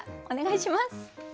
お願いします。